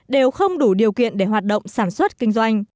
đều không đủ điều kiện để hoạt động sản xuất kinh doanh